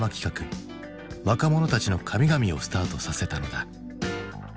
「若者たちの神々」をスタートさせたのだ。